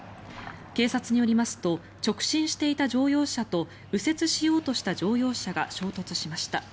警察によりますと直進していた乗用車と右折しようとした乗用車が衝突しました。